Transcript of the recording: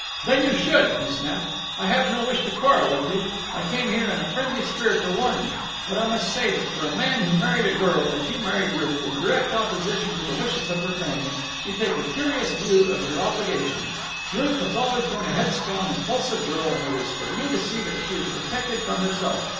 "Then you should," he snapped. "I have no wish to quarrel with you. I came in here in a friendly spirit to warn you; but I must say that for a man who married a girl, as you married Ruth, in direct opposition to the wishes of her family, you take a curious view of your obligations. Ruth has always been a headstrong, impulsive girl, and it is for you to see that she is protected from herself.